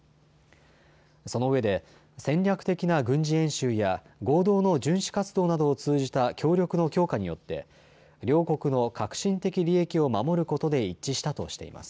そのうえで戦略的な軍事演習や合同の巡視活動などを通じた協力の強化によって両国の核心的利益を守ることで一致したとしています。